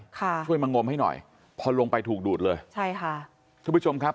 ช่วยมางมให้หน่อยพอลงไปถูกดูดเลยใช่ค่ะทุกผู้ชมครับ